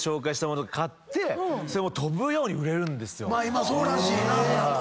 今そうらしいな田中。